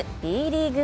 Ｂリーグ